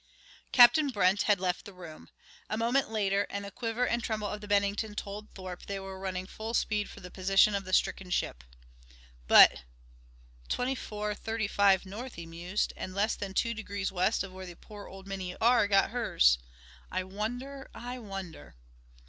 Captain Brent had left the room. A moment later, and the quiver and tremble of the Bennington told Thorpe they were running full speed for the position of the stricken ship. But: "Twenty four thirty five North," he mused, "and less than two degrees west of where the poor old Minnie R. got hers. I wonder ... I wonder...."